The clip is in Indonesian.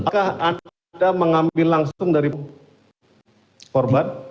apakah anda mengambil langsung dari korban